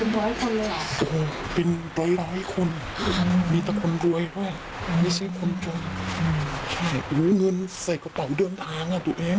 เป็น๑๐๐คนเลยอ่ะโหเป็น๑๐๐คนมีแต่คนรวยด้วยไม่ใช่คนชง